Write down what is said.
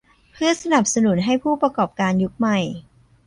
เพื่อสนับสนุนให้ผู้ประกอบการยุคใหม่